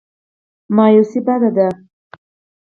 مایوسي بده ده.